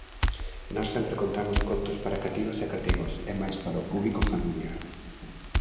Nós sempre contamos contos para cativas e cativos, e mais para o público familiar.